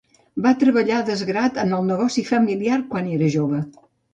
Va treballar a desgrat en el negoci familiar quan era jove.